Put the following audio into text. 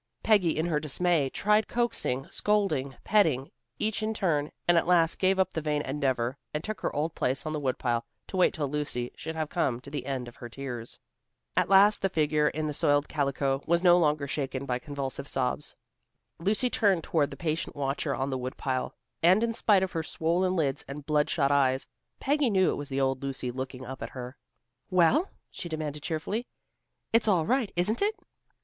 Peggy in her dismay tried coaxing, scolding, petting, each in turn, and at last gave up the vain endeavor, and took her old place on the woodpile, to wait till Lucy should have come to the end of her tears. At last the figure in the soiled calico was no longer shaken by convulsive sobs. Lucy turned toward the patient watcher on the woodpile, and in spite of her swollen lids and blood shot eyes, Peggy knew it was the old Lucy looking up at her. "Well?" she demanded cheerfully. "It's all right, isn't it?"